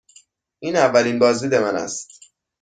این اولین بازدید من است.